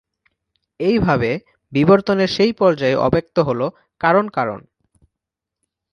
এইভাবে, বিবর্তনের সেই পর্যায়ে অব্যক্ত হল "কারণ-কারণ"।